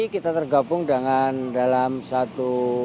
kita tergabung dengan dalam satu